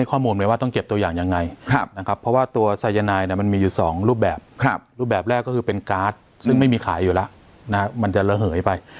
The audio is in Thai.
ซึ่งไม่มีขายอยู่แล้วนะครับมันจะระเหยไป